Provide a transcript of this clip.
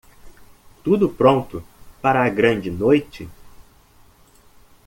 Tudo pronto para a grande noite?